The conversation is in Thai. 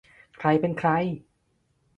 ใครเป็นใคร